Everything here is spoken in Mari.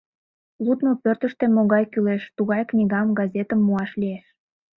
Лудмо пӧртыштӧ могай кӱлеш, тугай книгам, газетым муаш лиеш.